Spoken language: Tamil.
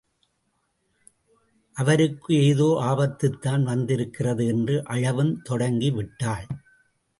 அவருக்கு ஏதோ ஆபத்துதான் வந்திருக்கிறது என்று அழவும் தொடங்கி விட்டாள்.